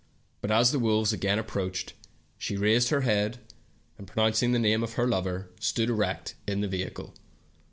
But as the wolves again approached, she raised her head, and pronouncing the name of her lover, stood erect in the vehicle.